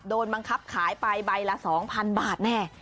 โดนบังคับขายไปใบละ๒๐๐๐บาทแน่